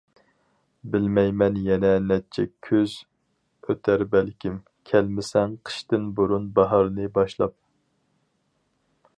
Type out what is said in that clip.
بىلمەيمەن يەنە نەچچە كۈز ئۆتەر بەلكىم، كەلمىسەڭ قىشتىن بۇرۇن باھارنى باشلاپ؟!